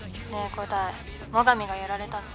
伍代最上がやられたの。